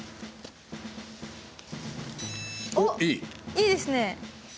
いいですね。